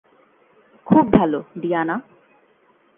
খুব ভালো, ডিয়ানা।